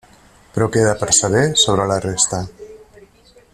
Però queda per saber sobre la resta.